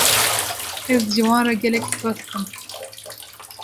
Ez ji wan re gelek spas dikim.